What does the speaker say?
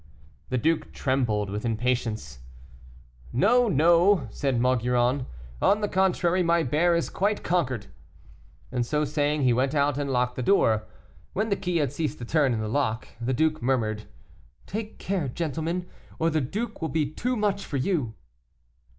The duke trembled with impatience. "No, no," said Maugiron, "on the contrary, my bear is quite conquered." And so saying he went out and locked the door. When the key had ceased to turn in the lock the duke murmured, "Take care, gentlemen, or the duke will be too much for you."